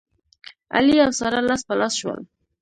علي او ساره لاس په لاس شول.